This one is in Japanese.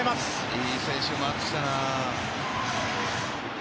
いい選手回ってきたなぁ。